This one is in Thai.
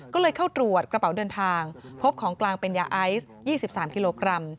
ก็เลยเข้าตรวจกระเป๋าเดินทางพบของกลางเป็นยาไอซ์๒๓กิโลกรัม